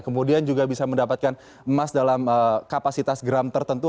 kemudian juga bisa mendapatkan emas dalam kapasitas gram tertentu